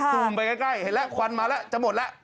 ซุ่มไปใกล้เห็นแล้วควันมาแล้วจะหมดแล้ว